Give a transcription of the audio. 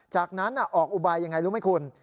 จากนั้นออกอุบายยังไงรู้ไหมคุณ